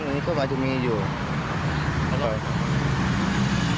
อันนี้ผมพูดเอง